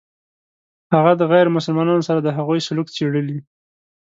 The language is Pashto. هغه د غیر مسلمانانو سره د هغوی سلوک څېړلی.